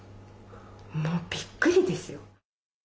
もうびっくりですよ。